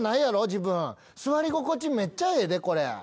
自分座り心地めっちゃええでこれ。